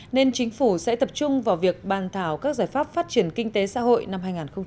nên chính phủ sẽ tập trung vào việc bàn thảo các giải pháp phát triển kinh tế xã hội năm hai nghìn hai mươi